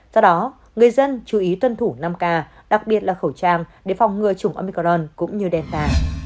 do đó người dân chú ý tuân thủ năm ca đặc biệt là khẩu trang để phòng ngừa chủng omicron cũng như delta